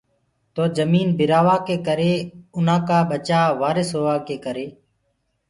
تو جميٚن بِرآ وآ ڪي ڪري اُنآ ڪآ ٻچآ وارس هووا ڪي ڪري